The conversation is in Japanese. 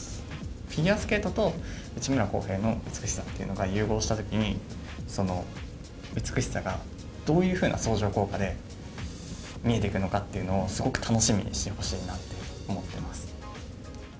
フィギュアスケートと内村航平の美しさというのが融合したときに、その美しさが、どういうふうな相乗効果で見えてくるのかっていうのを、すごく楽しみにしてほしいなと思ってます。